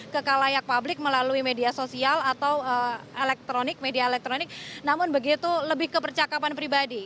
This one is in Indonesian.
ke kalayak publik melalui media sosial atau elektronik media elektronik namun begitu lebih ke percakapan pribadi